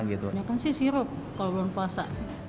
ini kan sih sirup kalau bulan puasa